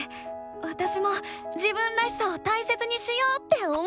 わたしも「自分らしさ」を大切にしようって思ったよ！